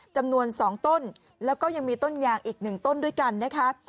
จำนวน๒ต้นแล้วก็ยังมีต้นยางอีก๑ต้นด้วยกันนะคะ